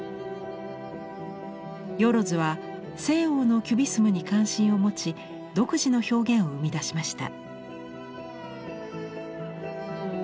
萬は西欧のキュビスムに関心を持ち独自の表現を生み出しました。